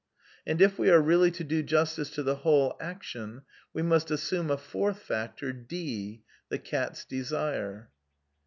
And if we are really to do justice to the whole action, we must assume a fourth factor, d\ the Cat's Desire.